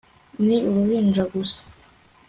ni uruhinja gusa